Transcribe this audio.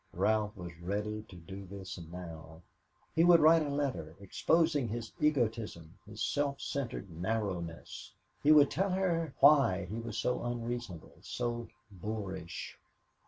Ralph was ready to do this now. He would write a letter, exposing his egotism, his self centered narrowness. He would tell her why he was so unreasonable, so boorish.